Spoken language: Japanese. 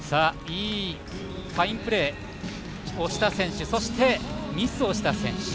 ファインプレーをした選手そしてミスをした選手。